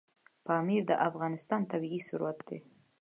پامیر د افغانستان طبعي ثروت دی.